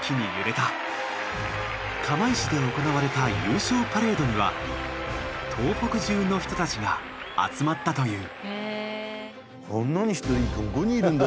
釜石で行われた優勝パレードには東北中の人たちが集まったという。